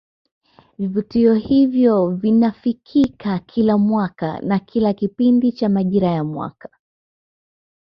Vivutio hivyo vinafikika kila mwaka na kila kipindi cha majira ya mwaka